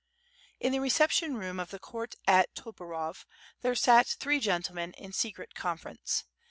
In the reception roam of the court at Toporov there sat three gentlemen in secret conference.